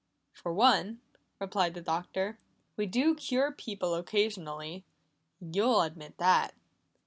"For one," replied the Doctor, "we do cure people occasionally. You'll admit that."